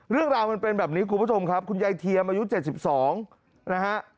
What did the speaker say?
เรื่องราวมันเป็นแบบนี้คุณผู้ชมครับคุณยายเทียมอายุ๗๒นะฮะ